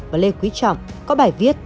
và lê quý trọng có bài viết